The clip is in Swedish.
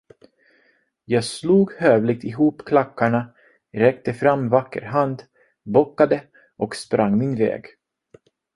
Jag slog hövligt ihop klackarna, räckte fram vacker hand, bockade och sprang min väg.